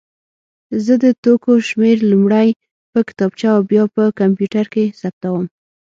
زه د توکو شمېر لومړی په کتابچه او بیا په کمپیوټر کې ثبتوم.